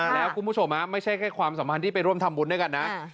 แล้วคุณผู้ชมไม่ใช่แค่ความสัมพันธ์ที่ไปร่วมทำบุญด้วยกันนะ